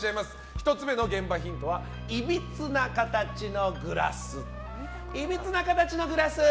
１つ目の現場ヒントはいびつな形のグラス！